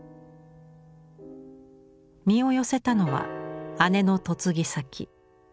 身を寄せたのは姉の嫁ぎ先。